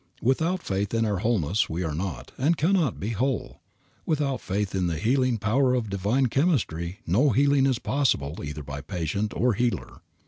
Without faith in our wholeness we are not, and cannot be, whole. Without faith in the healing power of Divine chemistry no healing is possible either by patient or healer.